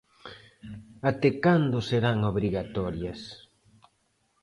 Até cando serán obrigatorias?